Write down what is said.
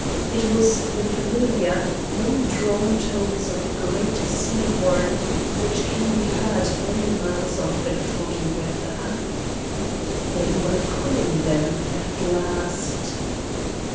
It was the familiar, long drawn tones of a great sea horn, which can be heard many miles off in foggy weather. They were coming, then, at last!